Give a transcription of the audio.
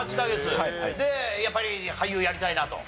でやっぱり俳優やりたいなと？